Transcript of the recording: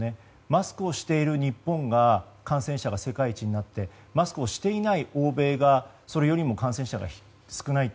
マスクをしている日本が感染者が世界一になってマスクをしていない欧米がそれより感染者が少ない。